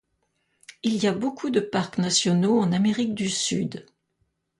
Il y a beaucoup de parcs nationaux en Amérique du Sud.